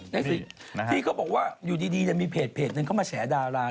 ได้สิที่เขาบอกว่าอยู่ดีจะมีเพจนั้นเข้ามาแฉดาลา